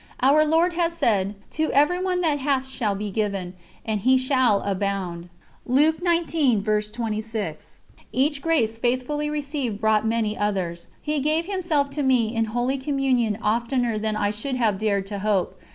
Our Lord has said: "To everyone that hath shall be given, and he shall abound." Each grace faithfully received brought many others. He gave Himself to me in Holy Communion oftener than I should have dared to hope.